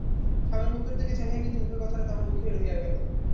স্বামীর মুখের দিকে চাহিয়া কিন্তু মুখের কথাটা তাহার মুখেই রহিয়া গেল।